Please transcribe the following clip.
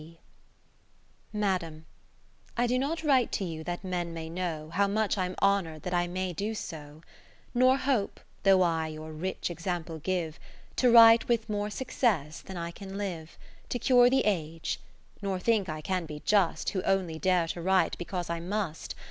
C. Madam, I do not write to you that men may know How much I'm honour'd that I may do so : Nor hope (though I your rich ex ample give) To write with more success than I can live, ( 543 ) To cure the age ; nor think I can be just, Who only dare to write, because I must.